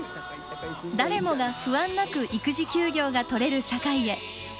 誰もが不安なく育児休業が取れる社会へ。